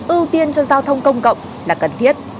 ưu tiên cho giao thông công cộng là cần thiết